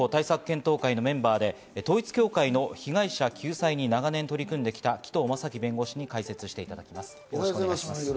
今朝は霊感商法対策検討会のメンバーで統一教会の被害者救済に長年取り組んできた紀藤正樹弁護士に解説していただきます。